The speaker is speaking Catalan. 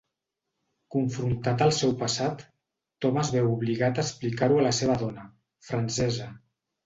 Confrontat al seu passat, Tom es veu obligat a explicar-ho a la seva dona, francesa.